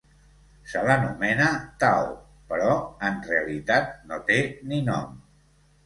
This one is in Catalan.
Se l'anomena Tao però en realitat no té ni nom.